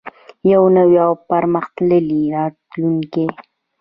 یو نوی او پرمختللی راتلونکی.